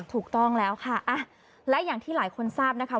ถูกต้องแล้วค่ะและอย่างที่หลายคนทราบนะคะ